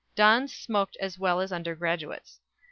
Dons smoked as well as undergraduates.